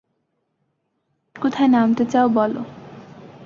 কোথায় নামতে চাও বলো।